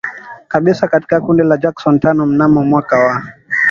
Kabisa katika kundi la Jackson Tano mnamo mwaka wa